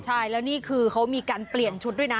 ใช่แล้วนี่คือเขามีการเปลี่ยนชุดด้วยนะ